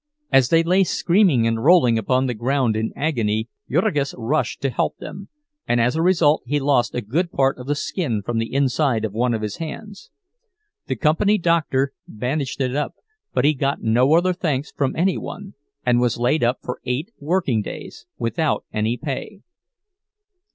As they lay screaming and rolling upon the ground in agony, Jurgis rushed to help them, and as a result he lost a good part of the skin from the inside of one of his hands. The company doctor bandaged it up, but he got no other thanks from any one, and was laid up for eight working days without any pay.